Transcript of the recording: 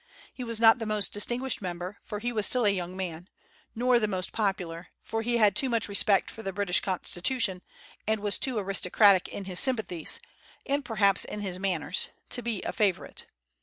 He was not the most distinguished member, for he was still a young man; nor the most popular, for he had too much respect for the British constitution, and was too aristocratic in his sympathies, and perhaps in his manners, to be a favorite.